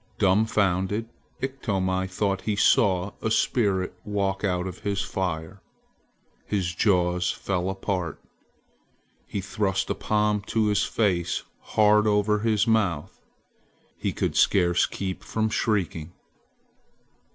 Dumbfounded, Iktomi thought he saw a spirit walk out of his fire. His jaws fell apart. He thrust a palm to his face, hard over his mouth! He could scarce keep from shrieking.